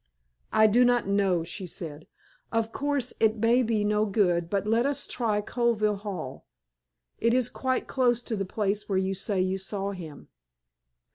"I do not know," she said. "Of course, it may be no good, but let us try Colville Hall. It is quite close to the place where you say you saw him."